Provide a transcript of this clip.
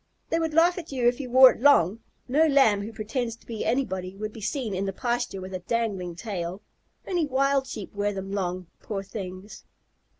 "They would laugh at you if you wore it long. No Lamb who pretends to be anybody would be seen in the pasture with a dangling tail. Only wild Sheep wear them long, poor things!"